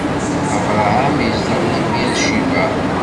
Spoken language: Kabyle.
Abṛaham izdeɣ di Bir Cibaɛ.